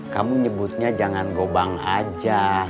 kamu nyebutnya jangan gobang aja